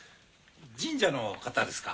神社の方ですか？